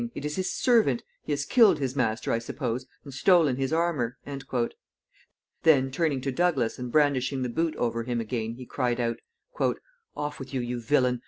It is his servant. He has killed his master, I suppose, and stolen his armor." Then, turning to Douglas and brandishing the boot over him again, he cried out, "Off with you, you villain!